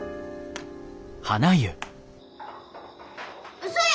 うそや！